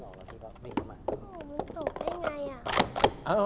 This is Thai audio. มันไม่ใช้แก้ว